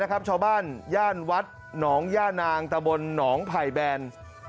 ตามกลุ่มชาวบ้านย่านวัดหนองย่านางตะบลหนองพ่ายแบน